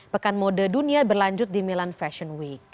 pekan mode dunia berlanjut di milan fashion week